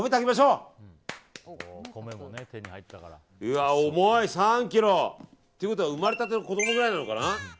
うわ重い、３ｋｇ。ということは生まれたての子供くらいなのかな。